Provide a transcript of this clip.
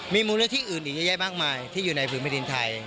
มีมูลเวลาที่อื่นอีกเยอะแยะมากมายที่อยู่ในภูมิประดินไทย